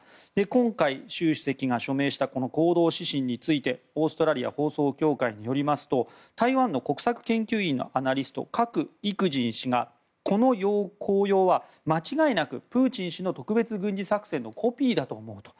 今回、習主席が署名した行動指針についてオーストラリア放送協会によりますと台湾の国策研究員のアナリストカク・イクジン氏はこの綱要は間違いなくプーチン氏の特別軍事作戦のコピーだと思うと。